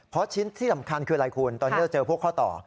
เพราะชิ้นที่สำคัญคืออะไรคุณตอนนี้เราเจอพวกข้อต่อ